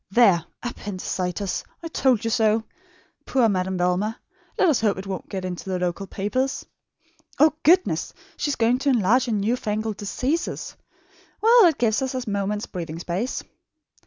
There! APPENDICITIS! I told you so. Poor Madame Velma! Let us hope it won't get into the local papers. Oh, goodness! She is going to enlarge on new fangled diseases. Well, it gives us a moment's breathing space....